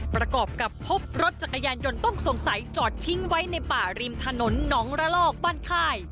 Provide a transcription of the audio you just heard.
ประกอบกับพบรถจักรยานยนต์ต้องสงสัยจอดทิ้งไว้ในป่าริมถนนหนองระลอกบ้านค่าย